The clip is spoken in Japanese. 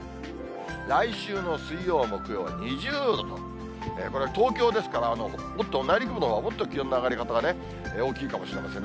来週の水曜、木曜２０度、これは東京ですから、もっと内陸部のほうが、もっと気温の上がり方が大きいかもしれません。